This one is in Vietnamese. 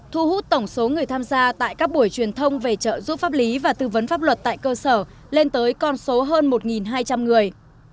thu hút tổng số người tham gia tại các buổi truyền thông về trợ giúp pháp lý và tư vấn pháp luật tại cơ sở lên tới con số hơn một hai trăm linh người